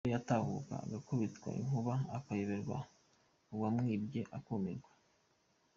Umugore yatahuka agakubitwa n’inkuba akayoberwa uwamwibye akumirwa.